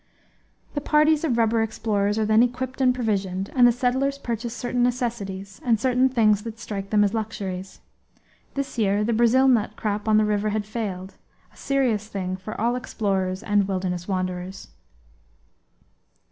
The parties of rubber explorers are then equipped and provisioned; and the settlers purchase certain necessities, and certain things that strike them as luxuries. This year the Brazil nut crop on the river had failed, a serious thing for all explorers and wilderness wanderers.